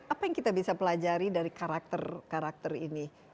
apa yang kita bisa pelajari dari karakter karakter ini